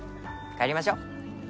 帰りましょう